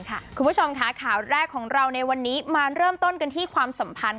คุณผู้ชมค่ะข่าวแรกของเราในวันนี้มาเริ่มต้นกันที่ความสัมพันธ์